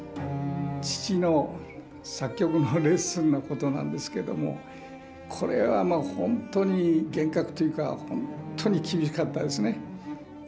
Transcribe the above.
父の作曲のレッスンのことなんですけどもこれはまあ本当に厳格というか本当に厳しかったですね。